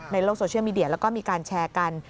ในโลกโซเชียลมีเดียแล้วก็มีการแชร์กัน